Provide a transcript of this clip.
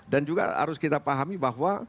dan juga harus kita pahami bahwa